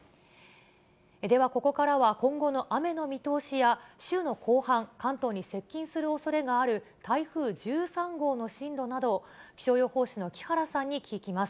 ではここからは今後の雨の見通しや、週の後半、関東に接近するおそれがある台風１３号の進路など、気象予報士の木原さんに聞きます。